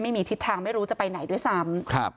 ไม่มีทิศทางไม่รู้จะไปไหนด้วยซ้ำ